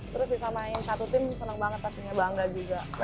terus bisa main satu tim seneng banget pastinya bangga juga